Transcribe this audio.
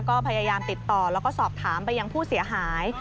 ก็ยังติดต่อและสอบถามมาคุณผู้เสียหาย